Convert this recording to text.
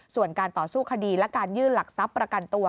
ส่วนการต่อสู้คดีและการยื่นหลักทรัพย์ประกันตัว